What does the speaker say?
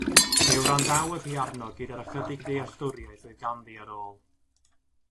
Fe wrandawodd hi arno gyda'r ychydig ddealltwriaeth oedd ganddi ar ôl.